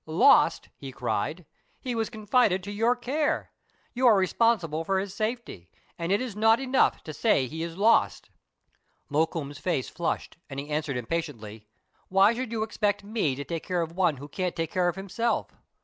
"Lost!" he cried. "He was confided to your care. You are responsible for his safety, and it is not. enough to say he is lost." Mokoum's face flushed, and he answered impatiently, —" Why should you expect me to take care of one who can't take care of himself?